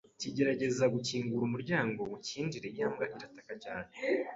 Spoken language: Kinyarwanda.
kigerageza gukingura umuryango ngo cyinjire ya mbwa irataka cyane